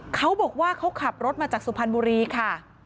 เขาบอกว่าเขาขับรถมาจากสุพรรณบุรีค่ะ